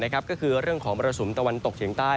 ก็คือเรื่องของมรสุมตะวันตกเฉียงใต้